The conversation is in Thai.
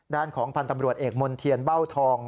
ด้านของพันธ์ตำรวจเอกมณ์เทียนเบ้าทอง